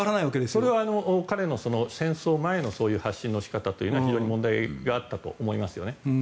それは、彼の戦争前のそういう発信の仕方は非常に問題があったと思いますよね。